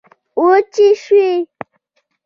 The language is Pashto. وچي شوې